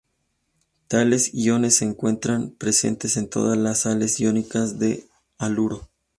Tales iones se encuentran presentes en todas las sales iónicas de haluro.